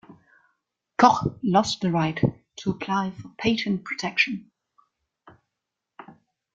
Koch lost the right to apply for patent protection.